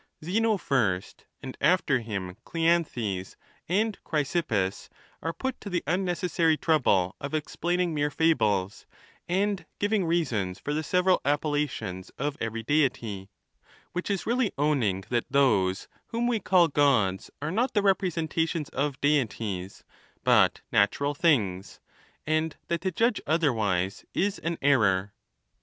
Zeno first, and after him Cleanthes and Chrysip pus, are put to the unnecessary trouble of explaining mere fables, and giving reasons for the several appellations of every Deity ; which is really owning that those whom we call Gods are not the representations of deities, but natu ral things, and that to judge otherwise is an error.